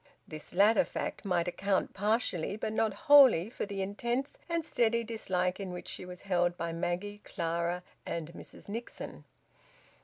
This latter fact might account, partially but not wholly, for the intense and steady dislike in which she was held by Maggie, Clara, and Mrs Nixon.